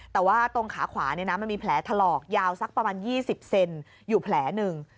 แต่ว่าตรงขาขวามันมีแผลถลอกยาวสักประมาณ๒๐เซนอยู่แผลหนึ่ง